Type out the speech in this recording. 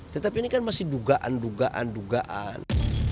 tetapi ini kan masih dugaan dugaan